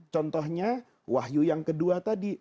contohnya wahyu yang ke dua tadi